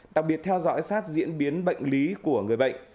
đặc biệt theo dõi sát diễn biến bệnh lý của người bệnh